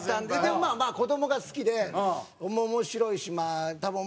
でもまあまあ子どもが好きで面白いしまあ。